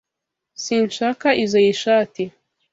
Sinshaka izoi shati.